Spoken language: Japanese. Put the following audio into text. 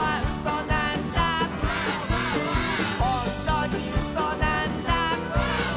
「ほんとにうそなんだ」